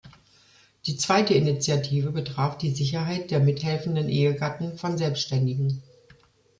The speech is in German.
Die zweite Initiative betraf die Sicherheit der mithelfenden Ehegatten von Selbständigen.